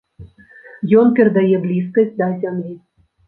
Ён перадае блізкасць да зямлі.